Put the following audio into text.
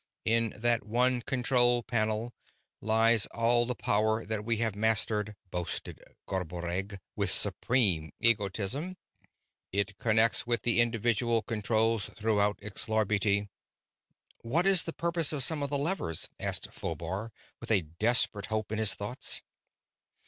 "In that one control panel lies all the power that we have mastered," boasted Garboreggg with supreme egotism. "It connects with the individual controls throughout Xlarbti." "What is the purpose of some of the levers?" asked Phobar, with a desperate hope in his thoughts.